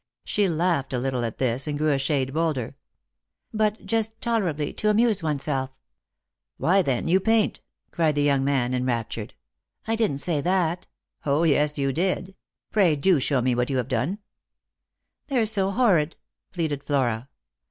She laughed a little at this, and grew a shade bolder. " But just tolerably, to amuse oneself." "Why, then, you paint !" cried the young man, enraptured. " I didn't say that." " 0, yes, you did. Pray do show me what you have done." " They're so horrid," pleaded Flora.